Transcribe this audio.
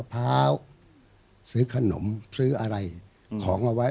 ผมซื้ออะไรของเอาไว้